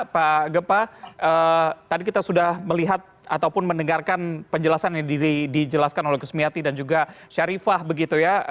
pak gempa tadi kita sudah melihat ataupun mendengarkan penjelasan yang dijelaskan oleh kusmiati dan juga syarifah begitu ya